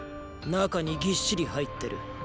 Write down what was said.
中にぎっしり入ってる。